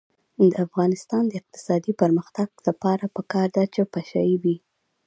د افغانستان د اقتصادي پرمختګ لپاره پکار ده چې پشه یي وي.